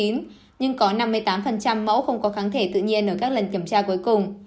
nhưng có năm mươi tám mẫu không có kháng thể tự nhiên ở các lần kiểm tra cuối cùng